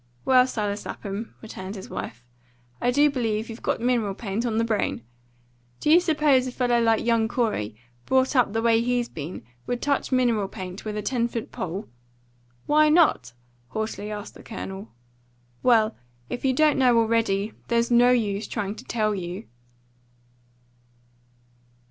"Well, Silas Lapham," returned his wife, "I do believe you've got mineral paint on the brain. Do you suppose a fellow like young Corey, brought up the way he's been, would touch mineral paint with a ten foot pole?" "Why not?" haughtily asked the Colonel. "Well, if you don't know already, there's no use trying to tell you."